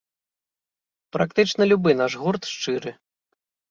Практычна любы наш гурт шчыры.